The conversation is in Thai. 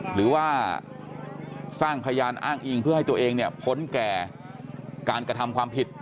หรือว่าสร้างพยานอ้างอิงเพื่อให้ตัวเองเนี่ยพ้นแก่การกระทำความผิด